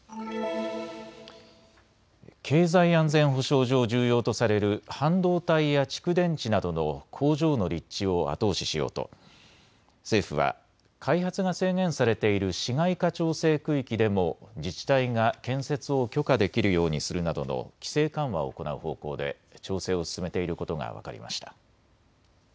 経済安全保障上、重要とされる半導体や蓄電池などの工場の立地を後押ししようと政府は開発が制限されている市街化調整区域でも自治体が建設を許可できるようにするなどの規制緩和を行う方向で調整を進めていることが分かりました。